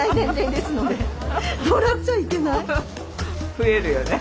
増えるよね。